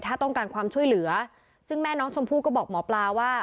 ถ้าต้องการความช่วยเหลือซึ่งแม่น้องชมพู่ก็บอกหมอปลาว่า